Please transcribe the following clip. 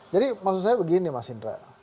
jadi maksud saya begini mas indra